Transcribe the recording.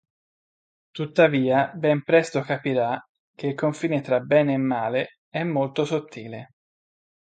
Tuttavia, ben presto capirà che il confine tra bene e male è molto sottile.